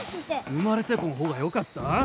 生まれてこん方がよかった？